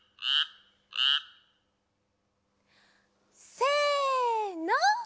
せの。